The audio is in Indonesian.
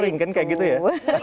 sering kan kayak gitu ya